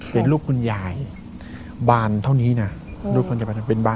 เป็นรูปคุณยายบานเท่านี้นะ